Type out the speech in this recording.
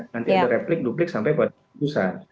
nanti ada replik duplik sampai buat yang susah